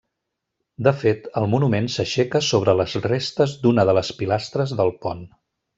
De fet, el monument s'aixeca sobre les restes d'una de les pilastres del pont.